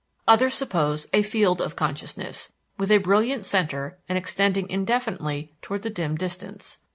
Others suppose a "field of consciousness" with a brilliant center and extending indefinitely toward the dim distance.